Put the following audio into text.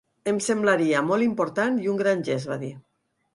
Em semblaria molt important i un gran gest, va dir.